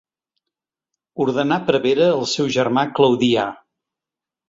Ordenà prevere el seu germà Claudià.